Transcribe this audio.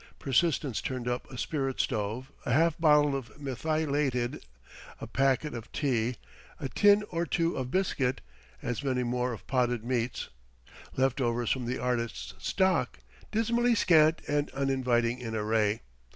Persistence turned up a spirit stove, a half bottle of methylated, a packet of tea, a tin or two of biscuit, as many more of potted meats: left overs from the artist's stock, dismally scant and uninviting in array.